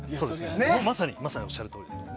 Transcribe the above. まさにおっしゃるとおりですね。